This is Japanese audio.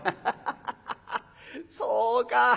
「ハハハハそうか。